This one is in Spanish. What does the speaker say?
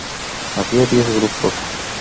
Había diez grupos.